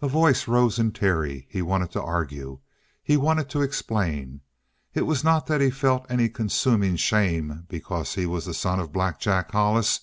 A voice rose in Terry. He wanted to argue. He wanted to explain. It was not that he felt any consuming shame because he was the son of Black Jack Hollis.